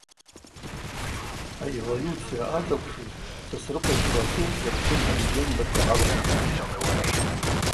Аэволюциа ъадзакӏвшуз Сосрыкъва йтурасы йапшым алегендаква гӏалалуан.